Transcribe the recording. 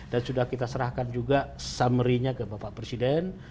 dan sudah kita serahkan juga summary nya ke bapak presiden